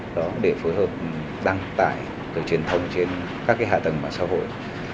đó để phối hợp đăng tải từ truyền thông trên các cái hạ tầng mạng xã hội